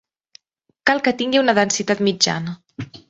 Cal que tingui una densitat mitjana.